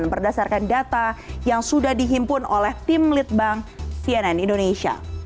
berdasarkan data yang sudah dihimpun oleh tim litbang cnn indonesia